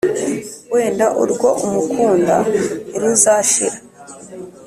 Wenda urwo umukunda ntiruzashira